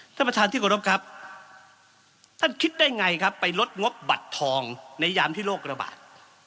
ท่านประธานที่กรบครับท่านคิดได้ไงครับไปลดงบบัตรทองในยามที่โรคระบาด